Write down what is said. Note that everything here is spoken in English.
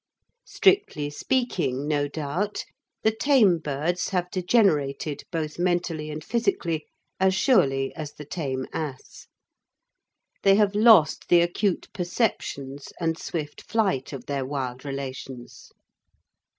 Strictly speaking, no doubt, the tame birds have degenerated, both mentally and physically, as surely as the tame ass. They have lost the acute perceptions and swift flight of their wild relations.